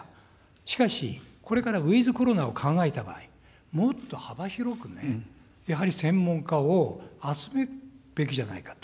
しかし、これからウィズコロナを考えた場合、もっと幅広くね、やはり専門家を集めるべきじゃないか。